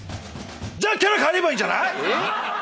じゃあキャラ変えればいいんじゃない？